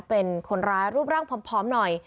เป็นคนร้ายรูปร่างผอมหน่อย